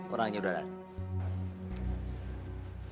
orangnya udah datang